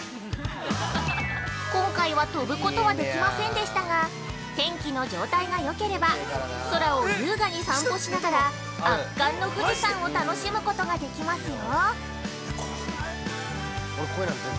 ◆今回は飛ぶことはできませんでしたが、天気の状態がよければ、空を優雅に散歩しながら圧巻の富士山を楽しむことができますよ。